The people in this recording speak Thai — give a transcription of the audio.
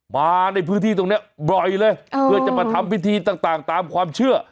มาในพื้นที่ตรงนี้บ่อยเลยเพื่อจะมาทำพิธีต่างตามความเชื่อ